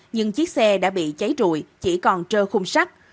nhưng chiếc xe đã bị cháy rùi chỉ còn trơ khung sắt